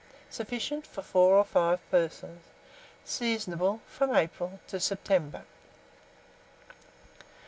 Sufficient for 4 or 5 persons. Seasonable from April to September.